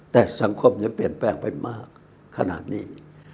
แต่สังคมเปลี่ยนแปลงไปมากขนาดนี้